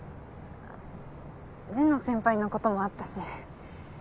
神野先輩のこともあったし。